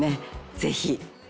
ぜひ。